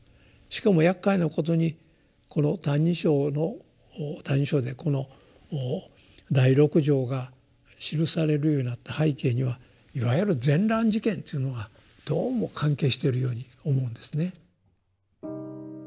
しかもやっかいなことにこの「歎異抄」の「歎異抄」でこの第六条が記されるようになった背景にはいわゆる「善鸞事件」というのがどうも関係しているように思うんですね。